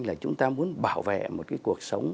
là chúng ta muốn bảo vệ một cái cuộc sống